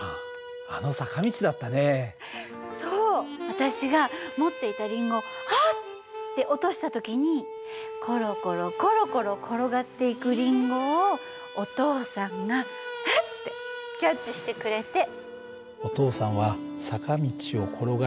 私が持っていたりんごを「あっ！」って落とした時にころころころころ転がっていくりんごをお父さんが「ふっ！」ってキャッチしてくれて。